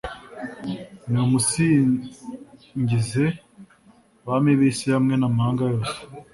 Nimumusingize bami b’isi hamwe n’amahanga yose